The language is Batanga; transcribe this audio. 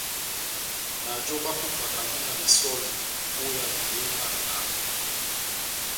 Bajo bapupwakandi na besὸli ó iweya yehé na amba.